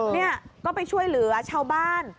นี่ก็ไปช่วยเหลือชาวบ้าน